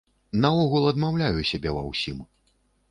Наогул адмаўляю сябе ва ўсім.